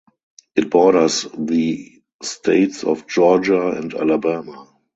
It borders the states of Georgia and Alabama.